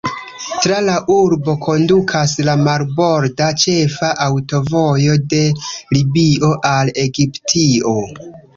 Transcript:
Tra la urbo kondukas la marborda ĉefa aŭtovojo de Libio al Egiptio.